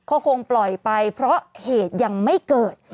อะไรเพราะเหตุยังไม่เกิด